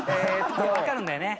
わかるんだよね？